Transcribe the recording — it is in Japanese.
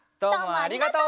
ありがとう。